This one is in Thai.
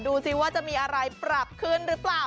ดูสิว่าจะมีอะไรปรับขึ้นหรือเปล่า